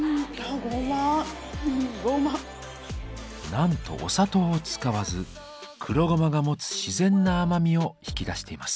なんとお砂糖を使わず黒ごまが持つ自然な甘みを引き出しています。